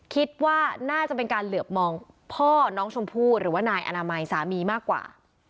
คิดว่าน่าจะเป็นการเหลือบมองพ่อน้องชมพู่หรือว่านายอนามัยสามีมากกว่า